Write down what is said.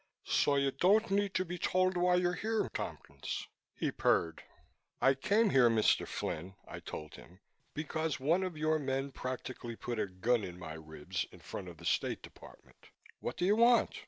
"So you don't need to be told why you're here, Tompkins," he purred. "I came here, Mr. Flynn," I told him, "because one of your men practically put a gun at my ribs in front of the State Department. What do you want?